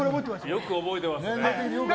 よく覚えてましたね。